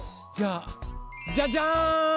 じゃあじゃじゃん！